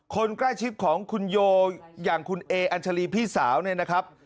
คนใกล้ชิดของคุณโยอย่างคุณเออัญชาลีพี่สาวเนี่ยนะครับ